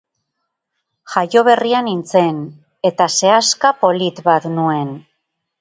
Jaio berria nintzen, eta sehaska polit bat nuen.